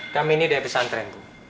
kami ini dari santri